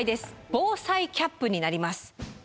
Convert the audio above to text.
防災キャップになります。